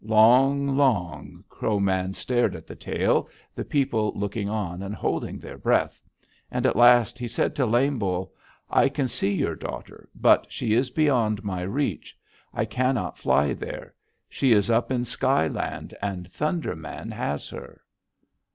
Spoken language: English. Long, long, Crow Man stared at the tail, the people looking on and holding their breath, and at last he said to Lame Bull, 'I can see your daughter, but she is beyond my reach: I cannot fly there. She is up in sky land, and Thunder Man has her!'